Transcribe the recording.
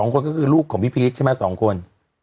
๒คนก็คือลูกของพี่พีชใช่ไหม๒คน